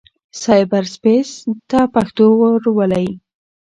سايبر سپېس ته پښتو ورولئ.